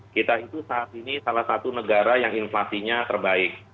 kita itu saat ini salah satu negara yang inflasinya terbaik